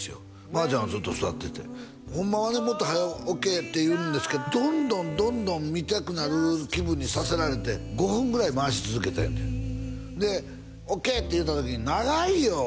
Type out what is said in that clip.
真央ちゃんはずっと座っててホンマはねもっと早う「オッケー」って言うんですけどどんどんどんどん見たくなる気分にさせられて５分ぐらい回し続けたんやってで「オッケー」って言うた時に「長いよ」